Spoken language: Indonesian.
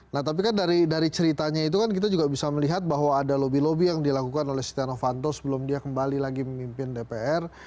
nah tapi kan dari ceritanya itu kan kita juga bisa melihat bahwa ada lobby lobby yang dilakukan oleh setia novanto sebelum dia kembali lagi memimpin dpr